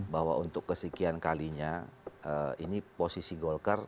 bahwa untuk kesekian kalinya ini posisi golkar